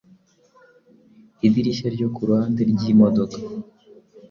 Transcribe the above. idirishya ryo ku ruhande ry'imodoka